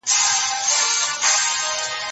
ساينس د وخت سره بدلېږي.